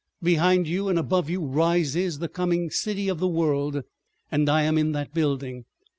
Behind you and above you rises the coming City of the World, and I am in that building.